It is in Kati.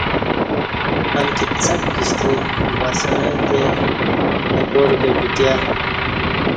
امکی څک کشتی وسݩگعتے تئے اپار کہ گِھٹیہ